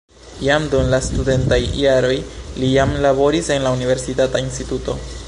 Jam dum la studentaj jaroj li jam laboris en la universitata instituto.